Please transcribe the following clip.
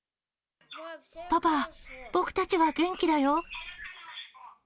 パパ、僕たちは元気だよ。